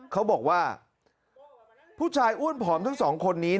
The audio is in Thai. เขาบอกว่าผู้ชายอ้วนผอมทั้งสองคนนี้